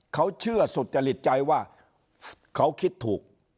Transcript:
เขาเชื่อสุจริตใจว่าเขาคิดถูก